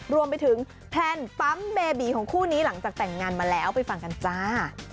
รวมไปถึงแพลนปั๊มเบบีของคู่นี้หลังจากแต่งงานมาแล้วไปฟังกันจ้า